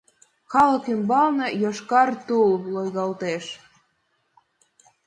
Калык ӱмбалне йошкар тул лойгалтеш...